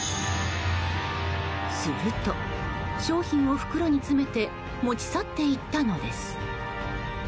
すると、商品を袋に詰めて持ち去っていったのです。